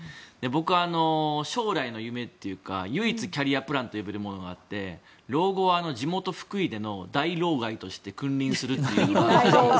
僕は、将来の夢というか唯一キャリアプランと呼べるものがあって老後は地元福井での大老害として君臨するという。